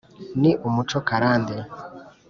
Ni umuco karande